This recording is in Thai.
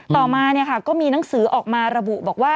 ต่อมาก็มีหนังสือออกมาระบุบอกว่า